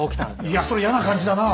いやそれ嫌な感じだな。